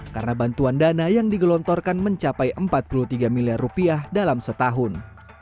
karena bantuan dana yang digelontorkan mencapai empat puluh tiga miliar rupiah dalam setahun